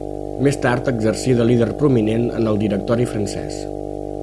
Més tard exercí de líder prominent en el Directori Francès.